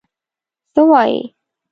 څه وایې؟